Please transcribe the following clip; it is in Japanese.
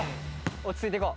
落ち着いていこう。